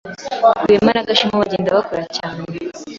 Rwema na Gashema bagenda bakura cyane.